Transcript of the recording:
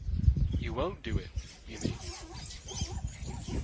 You won't do it, you mean?